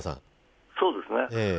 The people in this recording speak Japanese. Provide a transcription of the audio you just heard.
そうですね。